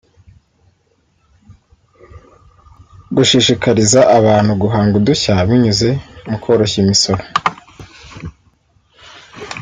gushishikariza abantu guhanga udushya binyuze mu koroshya imisoro